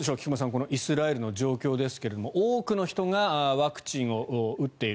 このイスラエルの状況ですが多くの人がワクチンを打っている。